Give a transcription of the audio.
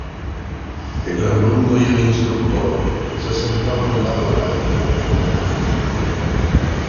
El alumno y el instructor se sentaban lado a lado en la cabina.